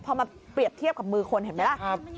พอมาเปรียบเทียบกับมือคนเห็นไหมล่ะ